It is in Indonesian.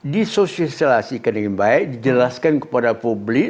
di sosialisasi kena yang baik dijelaskan kepada publik